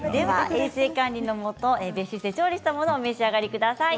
衛生管理のもと別室で調理したものを召し上がってください。